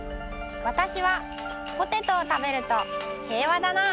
わたしはポテトをたべると平和だなぁ。